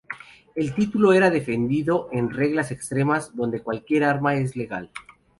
El título era defendido en reglas extremas, donde cualquier arma es legal.